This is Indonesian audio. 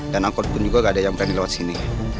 dan angkot pun juga gak ada yang berani lewat sini